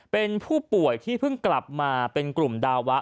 เป็นผู้ป่วยที่เพิ่งกลับมาเป็นกลุ่มดาวะ